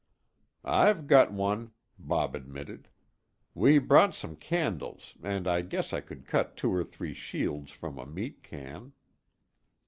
"I've got one," Bob admitted. "We brought some candles, and I guess I could cut two or three shields from a meat can."